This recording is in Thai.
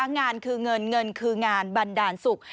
งานคือเงินเงินคืองานบันดาลสุข